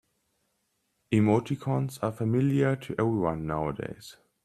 Emoticons are familiar to everyone nowadays.